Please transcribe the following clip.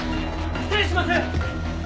失礼します！